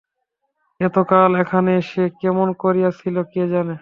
এতকাল এখানে সে কেমন করিয়া ছিল কে জানে।